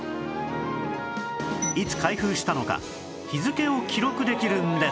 いつ開封したのか日付を記録できるんです